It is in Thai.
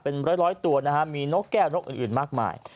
เป็นร้อยตัวนะฮะมีนกแก้วนกอื่นมากมาย